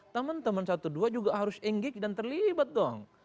teman teman satu dua juga harus enggik dan terlibat dong